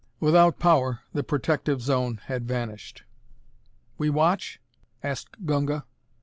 Without power, the protective zone had vanished. "We watch?" asked Gunga.